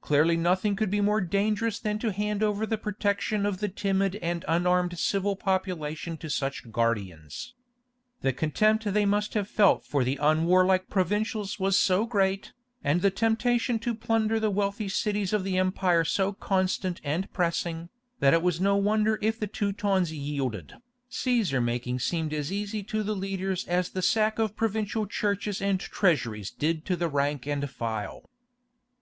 Clearly nothing could be more dangerous than to hand over the protection of the timid and unarmed civil population to such guardians. The contempt they must have felt for the unwarlike provincials was so great, and the temptation to plunder the wealthy cities of the empire so constant and pressing, that it is no wonder if the Teutons yielded. Cæsar making seemed as easy to the leaders as the sack of provincial churches and treasuries did to the rank and file.